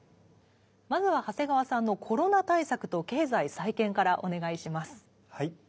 まずは長谷川さんの「コロナ対策と経済再建」からお願いします。